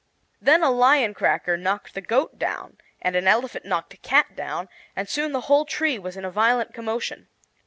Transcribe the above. Then a lion cracker knocked the goat down, and an elephant knocked a cat down, and soon the whole tree was in a violent commotion.